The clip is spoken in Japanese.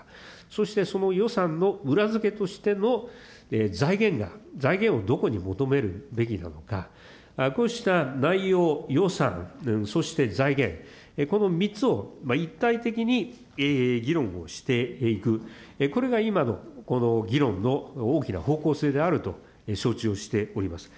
そしてその予算の裏付けとしての財源をどこに求めるべきなのか、こうした内容、予算、そして財源、この３つを一体的に議論をしていく、これが今の議論の大きな方向性であると、承知をしております。